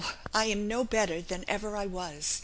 I am no better than ever I was.